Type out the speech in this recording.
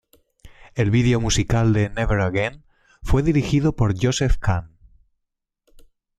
El video musical de "Never again" fue dirigido por Joseph Kahn.